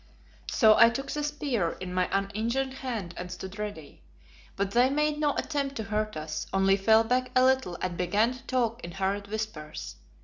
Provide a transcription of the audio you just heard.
So I took the spear in my uninjured hand and stood ready. But they made no attempt to hurt us, only fell back a little and began to talk in hurried whispers.